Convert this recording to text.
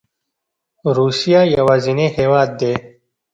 روسیه یوازینی هیواد دی